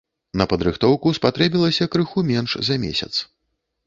На падрыхтоўку спатрэбілася крыху менш за месяц.